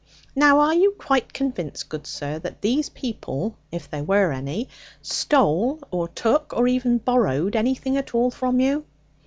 Now, are you quite convinced, good sir, that these people (if there were any) stole, or took, or even borrowed anything at all from you?'